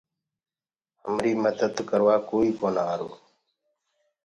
همري مدد ڪروآ ڪوئي ڪونآ آرو۔